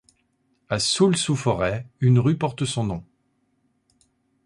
À Soultz-sous-Forêts une rue porte son nom.